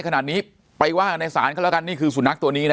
ขนาดนี้ไปว่ากันในศาลก็แล้วกันนี่คือสุนัขตัวนี้นะ